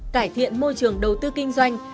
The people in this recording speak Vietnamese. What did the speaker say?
cải thiện môi trường đầu tư kinh doanh